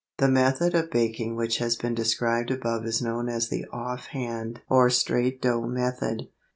The method of baking which has been described above is known as the off hand or straight dough method.